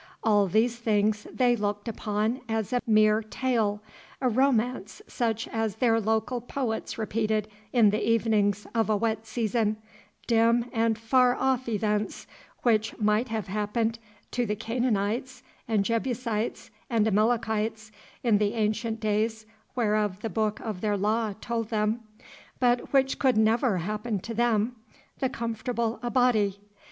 All these things they looked upon as a mere tale, a romance such as their local poets repeated in the evenings of a wet season, dim and far off events which might have happened to the Canaanites and Jebusites and Amalekites in the ancient days whereof the book of their Law told them, but which could never happen to them, the comfortable Abati.